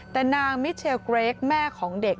แต่นางมิเชลเกรกแม่ของเด็ก